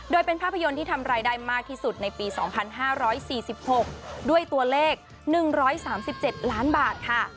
โดยเป็นภาพยนตร์ที่ทำรายได้มากที่สุดในปี๒๕๔๖ด้วยตัวเลข๑๓๗ล้านบาทค่ะ